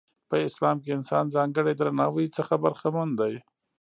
په اسلام کې انسان ځانګړي درناوي څخه برخمن دی.